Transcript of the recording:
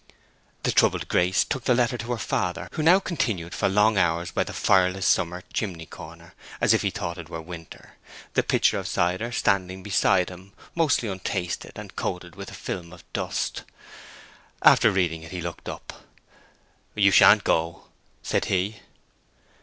The troubled Grace took the letter to her father, who now continued for long hours by the fireless summer chimney corner, as if he thought it were winter, the pitcher of cider standing beside him, mostly untasted, and coated with a film of dust. After reading it he looked up. "You sha'n't go," said he.